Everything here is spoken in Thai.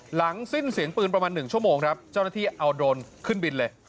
หลังสิ้นเสียงปืนประมาณ๑ชั่วโมงครับเจ้าหน้าที่เอาโดรนขึ้นบินเลย